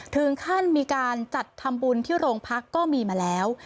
ถึงขั้นมีการจัดทำบุญที่โรงพักก็มีมาแล้ว